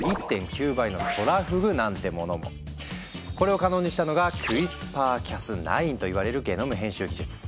他にもこれを可能にしたのがクリスパー・キャスナインといわれるゲノム編集技術。